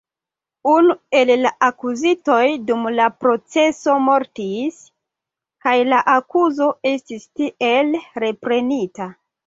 Unu el la akuzitoj dum la proceso mortis, kaj la akuzo estis tiel reprenita.